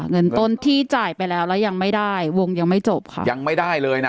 เงินต้นที่จ่ายไปแล้วแล้วยังไม่ได้วงยังไม่จบค่ะยังไม่ได้เลยน่ะ